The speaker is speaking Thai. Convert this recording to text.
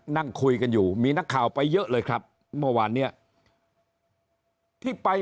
นั่งคุยกันอยู่มีนักข่าวไปเยอะเลยครับเมื่อวานเนี้ยที่ไป